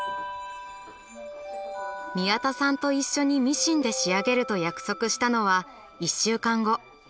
宮田さんと一緒にミシンで仕上げると約束したのは１週間後。